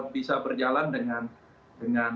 bisa berjalan dengan